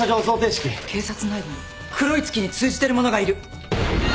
警察内部に黒い月に通じてる者がいる。